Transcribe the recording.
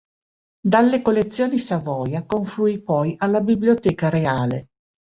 Dalle collezioni Savoia confluì poi alla Biblioteca Reale.